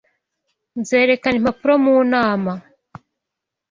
Nzerekana impapuro mu nama.